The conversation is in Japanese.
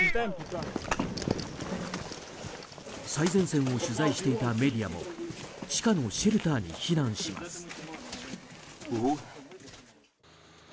最前線を取材していたメディアも地下のシェルターに避難します。